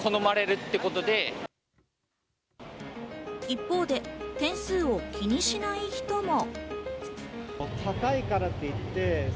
一方で、点数を気にしない人も。